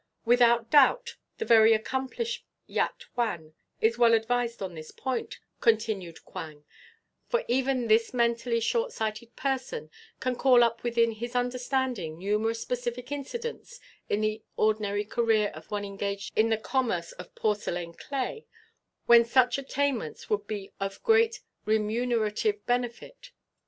"Without doubt the very accomplished Yat Huan is well advised on this point," continued Quang, "for even this mentally short sighted person can call up within his understanding numerous specific incidents in the ordinary career of one engaged in the commerce of porcelain clay when such attainments would be of great remunerative benefit.